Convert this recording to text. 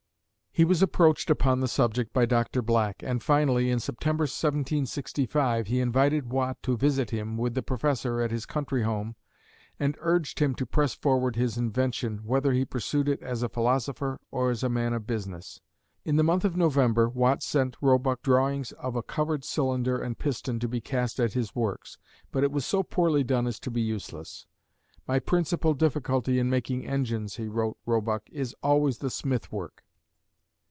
He was approached upon the subject by Dr. Black, and finally, in September, 1765, he invited Watt to visit him with the Professor at his country home, and urged him to press forward his invention "whether he pursued it as a philosopher or as a man of business." In the month of November Watt sent Roebuck drawings of a covered cylinder and piston to be cast at his works, but it was so poorly done as to be useless. "My principal difficulty in making engines," he wrote Roebuck, "is always the smith work."